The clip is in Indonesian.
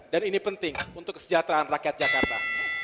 dan ini penting untuk kesejahteraan rakyat jakarta